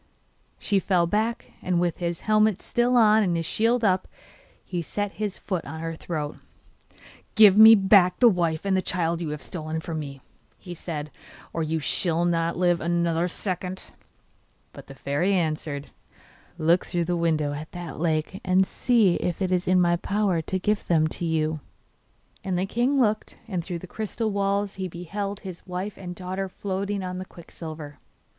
She fell back, and with his helmet still on and his shield up, he set his foot on her throat. 'Give me back the wife and the child you have stolen from me,' he said, 'or you shall not live another second!' But the fairy answered: 'Look through the window at that lake and see if it is in my power to give them to you.' And the king looked, and through the crystal walls he beheld his wife and daughter floating on the quicksilver.